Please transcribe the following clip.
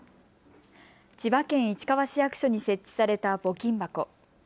千葉県市川市役所に設置された募金箱。